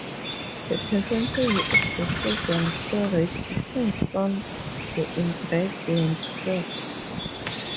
The percentage of the sodium stearate depends on the ingredient fats.